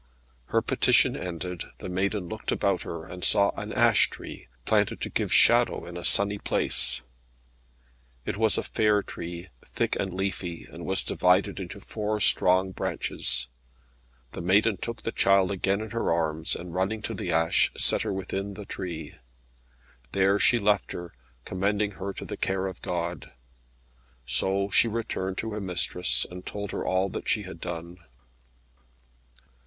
Her petition ended, the maiden looked about her, and saw an ash tree, planted to give shadow in a sunny place. It was a fair tree, thick and leafy, and was divided into four strong branches. The maiden took the child again in her arms, and running to the ash, set her within the tree. There she left her, commending her to the care of God. So she returned to her mistress, and told her all that she had done.